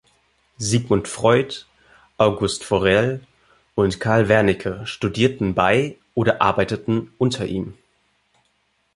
Sigmund Freud, Auguste Forel und Carl Wernicke studierten bei oder arbeiteten unter ihm.